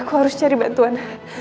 aku harus cari bantuan